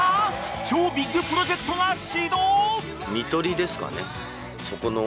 超ビッグプロジェクトが始動！